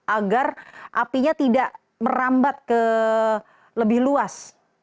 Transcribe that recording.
agar apinya tidak merambat ke lebih luas